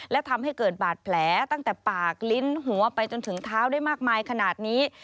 และทำให้เกิดบาดแผลตั้งแต่ปากลิ้นหัวไปจนถึงเท้าได้มากมายขนาดนี้